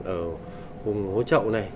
ở hồ trậu này